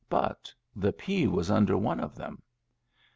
But the pea was under one of them.